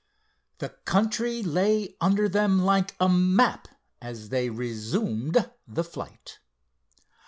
The country lay under them like a map as they resumed the flight.